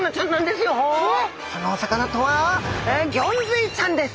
そのお魚とはギョンズイちゃんです！